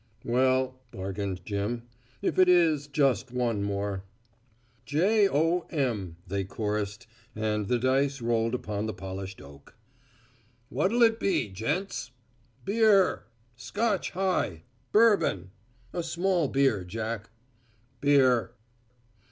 "Well," bargained Jim, "if it is just one more." "J.O.M." they chorused, and the dice rolled upon the polished oak. "What'll it be, gents?" "Beer." "Scotch high." "Bourbon." "A small beer, Jack." "Beer."